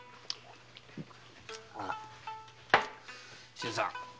新さん